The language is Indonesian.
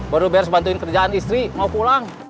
baru baru sebantuin kerjaan istri mau pulang